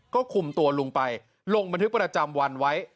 ก็คุมตัวลุงไปลงบันทึกประจำวันไว้